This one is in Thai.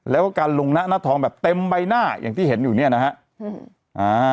แล้วก็การลงหน้าหน้าทองแบบเต็มใบหน้าอย่างที่เห็นอยู่เนี่ยนะฮะ